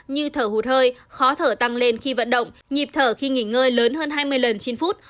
như thở hụt hơi khó thở tăng lên khi vận động nhịp thở khi nghỉ ngơi lớn hơn hai mươi lần trên phút